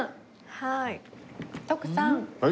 はい。